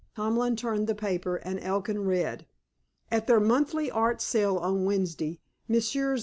Tomlin turned the paper, and Elkin read: At their monthly art sale on Wednesday Messrs.